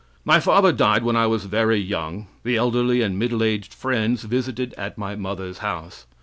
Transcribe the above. My father died when I was very young. The elderly and middle aged Friends visited at my mother's house.